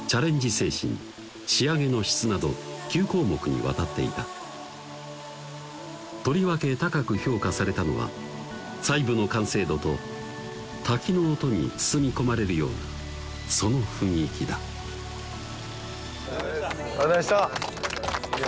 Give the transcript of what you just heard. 精神仕上げの質など９項目にわたっていたとりわけ高く評価されたのは細部の完成度と滝の音に包み込まれるようなその雰囲気だありがとうございましたいや